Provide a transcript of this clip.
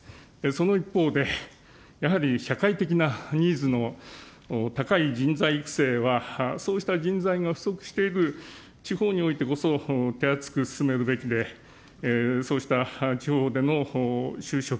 その一方で、やはり、社会的なニーズの高い人材育成は、そうした人材が不足している地方においてこそ手厚く進めるべきで、そうした地方での就職、